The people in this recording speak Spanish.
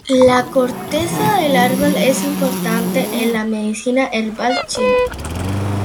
La corteza del árbol es importante en la medicina herbal china.